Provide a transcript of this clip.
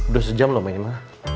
udah sejam lho ini ma